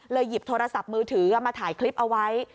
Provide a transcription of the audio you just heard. หยิบโทรศัพท์มือถือมาถ่ายคลิปเอาไว้